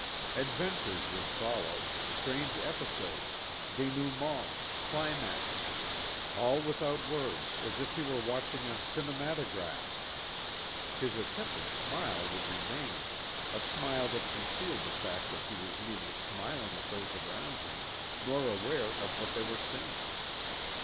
Adventures would follow, strange episodes, denouements, climaxes all without words as if he were watching a cinemategraph. His attempted smile would remain a smile that concealed the fact he was neither smiling at those around him nor aware of what they were saying.